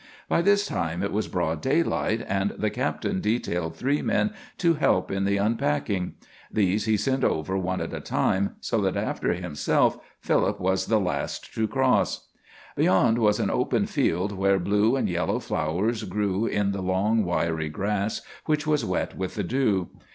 By this time it was broad daylight, and the captain detailed three men to help in the unpacking. These he sent over one at a time, so that after himself Philip was the last to cross. Beyond was an open field where blue and yellow flowers grew in the long, wiry grass, which was wet with the dew.